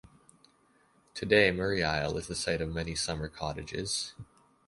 Today Murray Isle is the site of many summer cottages.